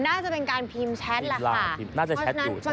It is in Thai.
น่าจะเป็นการพิมพ์แชทแหละค่ะ